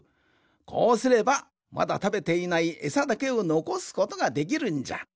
こうすればまだたべていないえさだけをのこすことができるんじゃ。